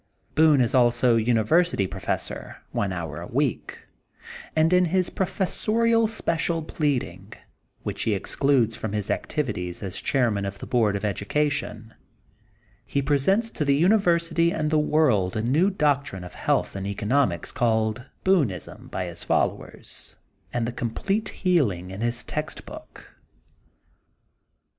Boone is also University Professor, one hour a week, and in his professorial special pleading, which he excludes from his activi ties as chairman of the Board of Education, he presents to the University and the world a new doctrine of health and economics, called: ^^Boonism*' by his followers, and *^The Com plete Healing" in his text book.